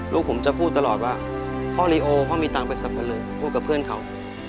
ลูกผมจะพูดตลอดว่าพ่อลีโอพ่อมีตังค์ไปสับปะเลอพูดกับเพื่อนเขา